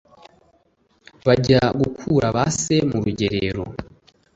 bajya gukura ba se mu rugerero